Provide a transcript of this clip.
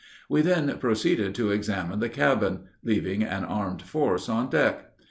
We then proceeded to examine the cabin, leaving an armed force on deck.